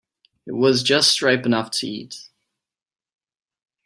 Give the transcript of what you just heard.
It was just ripe enough to eat.